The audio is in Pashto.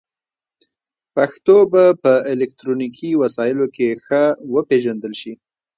پښتو به په الکترونیکي وسایلو کې ښه وپېژندل شي.